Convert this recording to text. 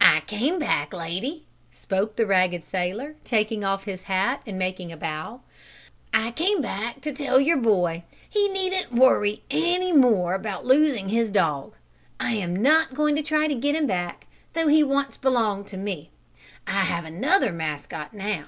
"I came back, lady," spoke the ragged sailor, taking off his hat and making a bow, "I came back to tell your boy he needn't worry any more about losing his dog. I am not going to try to get him back, though he once belonged to me. I have another mascot now.